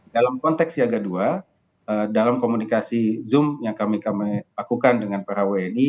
dalam konteks siaga dua dalam komunikasi zoom yang kami lakukan dengan para wni